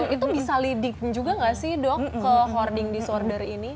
itu bisa leading juga nggak sih dok ke hoarding disorder ini